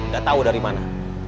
gak tau dari mana